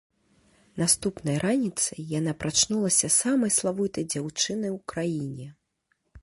Наступнай раніцай яна прачнулася самай славутай дзяўчынай у краіне.